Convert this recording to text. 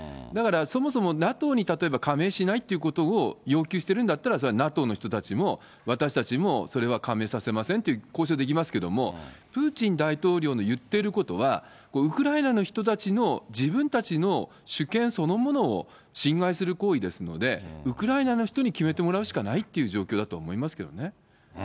だからそもそもＮＡＴＯに例えば加盟しないっていうことを要求してるんだったらＮＡＴＯの人たちも、私たちもそれは加盟させませんって交渉できますけども、プーチン大統領の言っていることはウクライナの人たちの自分たちの主権そのものを侵害する行為ですので、ウクライナの人に決めてもらうしかないっていう状況だと思います